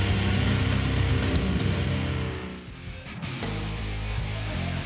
ที่๑